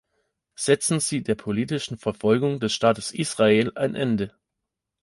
Setzen Sie der politischen Verfolgung des Staates Israel ein Ende.